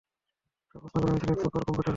একই প্রশ্ন করা হয়েছিল এক সুপার কম্পিউটার কে।